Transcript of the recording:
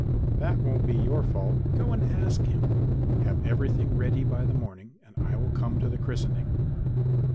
"That won't be your fault; go and ask him. Have everything ready by the morning and I'll come to the christening."